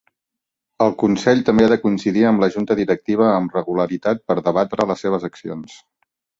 El consell també ha de coincidir amb la junta directiva amb regularitat per debatre les seves accions.